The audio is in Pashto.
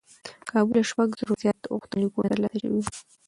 کابو له شپږ زرو زیات غوښتنلیکونه ترلاسه شوي و.